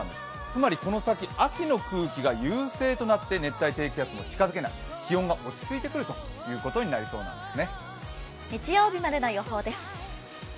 つまりこの先、秋の空気が優勢となって熱帯低気圧に近づけない、気温が落ち着いてくるということになりそうなんです。